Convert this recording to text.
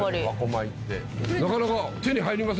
なかなか手に入りませんよ。